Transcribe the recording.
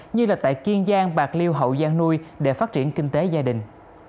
như là tại kiên giang bạc liêu hậu giang nuôi để phát triển kinh tế gia đình